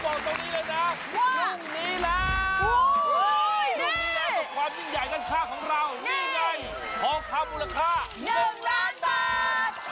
พอความบุญค่า๑ล้านบาท